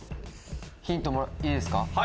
ヒントいいですか。